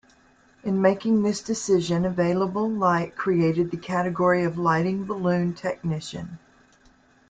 In making this decision, Available Light created the category of Lighting Balloon Technician.